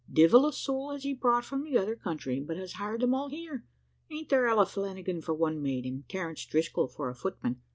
`Devil a soul has he brought from the other country, but has hired them all here. Ain't there Ella Flanagan for one maid, and Terence Driscol for a footman?